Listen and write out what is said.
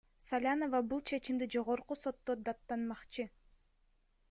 Салянова бул чечимди Жогорку сотто даттанмакчы.